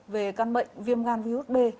về căn bệnh viêm gan virus b